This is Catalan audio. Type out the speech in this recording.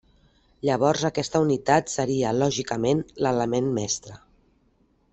Llavors aquesta unitat seria lògicament l'element mestre.